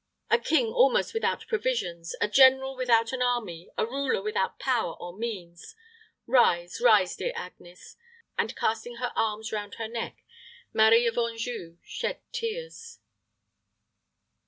A king almost without provisions, a general without an army, a ruler without power or means. Rise, rise, dear Agnes;" and, casting her arms round her neck, Marie of Anjou shed tears.